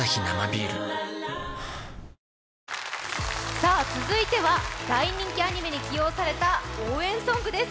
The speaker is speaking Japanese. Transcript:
さあ、続いては大人気アニメに起用された応援ソングです。